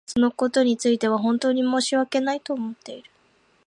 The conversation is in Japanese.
そのことについては本当に申し訳ないと思っている。